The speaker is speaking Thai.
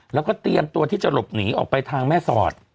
แล้วก็เตรียมตัวที่จะหลบหนีออกไปทางแม่สอด